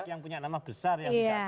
yang punya nama besar